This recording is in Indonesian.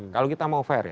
kalau kita mau fair ya